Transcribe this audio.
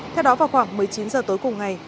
theo đó vào khoảng một mươi chín h tối cùng ngày